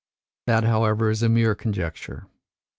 That, however, is a mere conjecture.